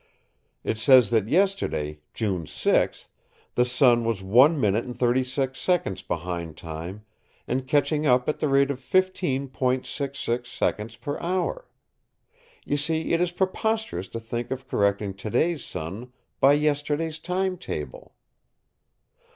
It says that yesterday, June 6, the sun was 1 minute and 36 seconds behind time and catching up at the rate of 15.66 seconds per hour. You see, it is preposterous to think of correcting to day's sun by yesterday's time table."